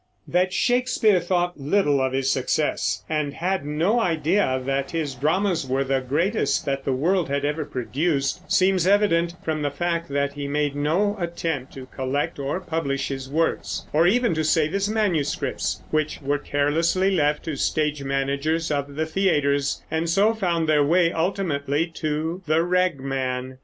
That Shakespeare thought little of his success and had no idea that his dramas were the greatest that the world ever produced seems evident from the fact that he made no attempt to collect or publish his works, or even to save his manuscripts, which were carelessly left to stage managers of the theaters, and so found their way ultimately to the ragman.